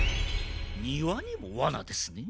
庭にもワナですね。